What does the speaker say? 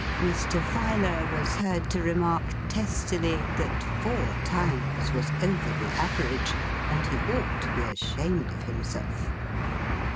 Mr. Filer was heard to remark testily, that four times was over the average; and he ought to be ashamed of himself.